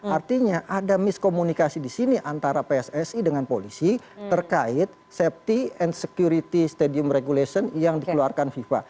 artinya ada miskomunikasi di sini antara pssi dengan polisi terkait safety and security stadium regulation yang dikeluarkan fifa